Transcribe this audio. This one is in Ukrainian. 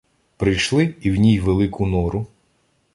Прийшли, і в ній велику нору